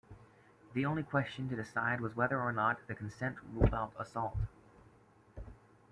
The only question to decide was whether or not the consent ruled out assault.